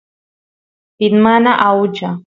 pit mana aucha